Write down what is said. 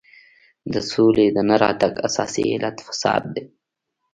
د سولې د نه راتګ اساسي علت فساد دی.